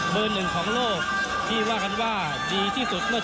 เบอร์หนึ่งของโลกที่ว่ากันว่าดีที่สุด